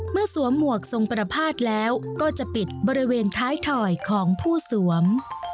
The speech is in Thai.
สวมหมวกทรงประพาทแล้วก็จะปิดบริเวณท้ายถอยของผู้สวม